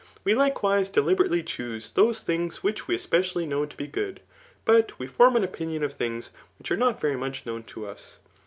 We likewise deliberately choose those things which we especially Imow to be good ; but we form an epinkm.of thmgs which are not very much known to us..